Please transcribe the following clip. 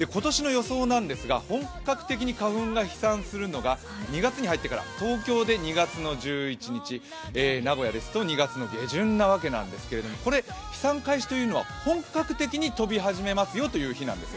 今年の予想なんですが本格的に花粉が飛散するのが２月に入ってから、東京で２月１１日、名古屋ですと２月下旬なわけなんですがこれ、飛散開始というのは本格的に飛び始めますよという日なんですね。